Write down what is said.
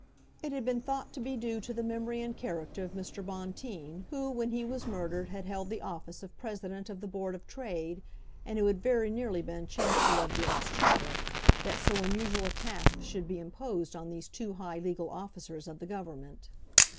It had been thought to be due to the memory and character of Mr. Bonteen, who when he was murdered had held the office of President of the Board of Trade, and who had very nearly been Chancellor of the Exchequer, that so unusual a task should be imposed on these two high legal officers of the Government.